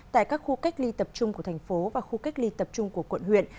tại các khu cách ly tập trung của thành phố và khu cách ly tập trung của quận huyện